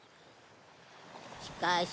しかし。